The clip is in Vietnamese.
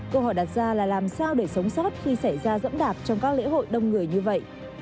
câu hỏi đặt ra là làm sao để sống sót khi xảy ra dẫm đạp trong các lễ hội đông người như vậy